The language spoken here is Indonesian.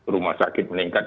rumah sakit meningkat